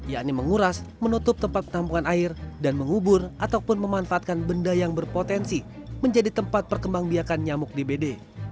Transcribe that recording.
yakni menguras menutup tempat penampungan air dan mengubur ataupun memanfaatkan benda yang berpotensi menjadi tempat perkembang biakan nyamuk dbd